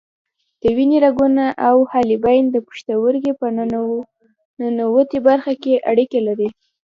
د وینې رګونه او حالبین د پښتورګي په ننوتي برخه کې اړیکې لري.